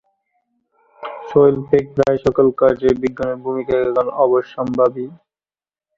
শৈল্পিক প্রায় সকল কাজেই বিজ্ঞানের ভূমিকা এখন অবশ্যম্ভাবী।